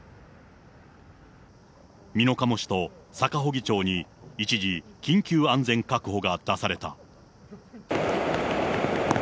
美濃加茂市と坂祝町に一時、緊急安全確保が出された。